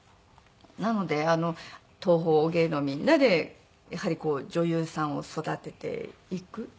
なので東宝芸能みんなでやはり女優さんを育てていく。